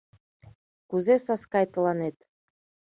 Кузе Саскай тыланет